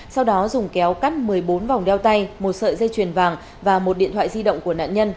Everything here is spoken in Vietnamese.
sau đó dùng kéo cắt một mươi bốn vòng đeo tay một sợi dây chuyền vàng và một điện thoại di động của nạn nhân